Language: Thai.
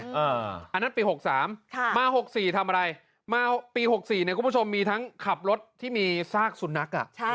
อันนั้นปี๖๓มา๖๔ทำอะไรมาปี๖๔เนี่ยคุณผู้ชมมีทั้งขับรถที่มีซากสุนัข